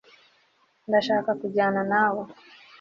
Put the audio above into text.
ndashaka kujyana nawe